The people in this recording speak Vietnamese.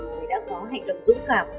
người đã có hành động dũng cảm